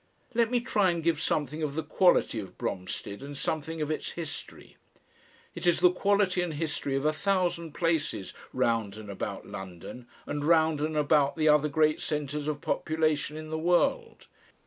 Let me try and give something of the quality of Bromstead and something of its history. It is the quality and history of a thousand places round and about London, and round and about the other great centres of population in the world.